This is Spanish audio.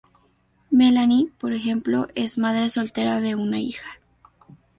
Melanie, por ejemplo, es madre soltera de una hija.